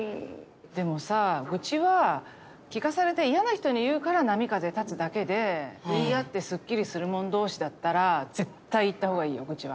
でもさ愚痴は聞かされて嫌な人に言うから波風立つだけで言い合ってスッキリするもん同士だったら絶対言ったほうがいいよ愚痴は。